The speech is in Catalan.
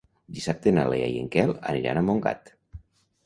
Dissabte na Lea i en Quel aniran a Montgat.